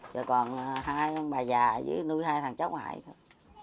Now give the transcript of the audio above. giờ còn hai ông bà già với nuôi hai thằng cháu ngoại thôi